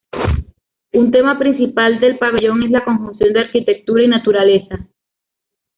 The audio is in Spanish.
Un tema principal del pabellón es la conjunción de arquitectura y naturaleza.